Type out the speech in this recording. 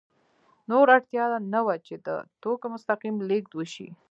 نور اړتیا نه وه چې د توکو مستقیم لېږد وشي